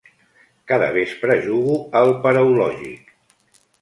Cada vespre jugo al Paraulògic.